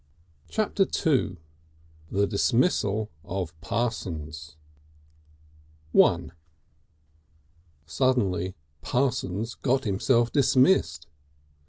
Chapter the Second The Dismissal of Parsons I Suddenly Parsons got himself dismissed.